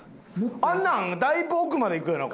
あんなんだいぶ奥までいくよな？